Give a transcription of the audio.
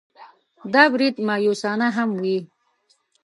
دا برید مأیوسانه هم وي.